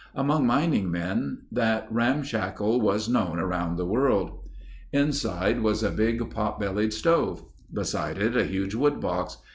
Among mining men that ramshackle was known around the world. Inside was a big pot bellied stove. Beside it, a huge woodbox.